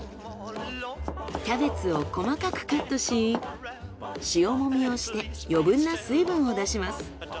キャベツを細かくカットし塩もみをして余分な水分を出します。